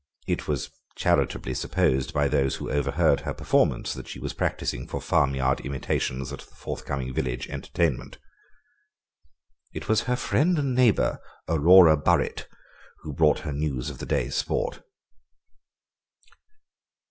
It was charitably supposed by those who overheard her performance, that she was practising for farmyard imitations at the forth coming village entertainment. It was her friend and neighbour, Aurora Burret, who brought her news of the day's sport.